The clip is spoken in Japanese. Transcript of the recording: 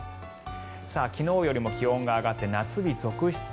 昨日よりも気温が上がって夏日続出。